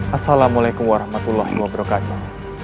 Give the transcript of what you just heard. assalamualaikum warahmatullahi wabarakatuh